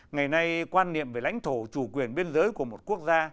ngày nay quan niệm về lãnh thổ chủ quyền biên giới của một quốc gia